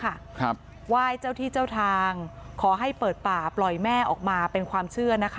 ครับไหว้เจ้าที่เจ้าทางขอให้เปิดป่าปล่อยแม่ออกมาเป็นความเชื่อนะคะ